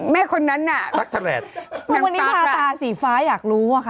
มันนี่พาตาสีฟ้าอยากรู้วะค่ะ